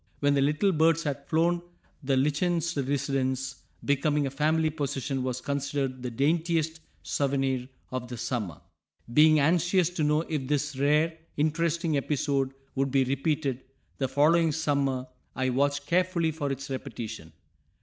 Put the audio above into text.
When the little birds had flown the lichened residence, becoming a family possession, was considered the daintiest souvenir of the summer. Being anxious to know if this rare, interesting episode would be repeated, the following summer I watched carefully for its repetition.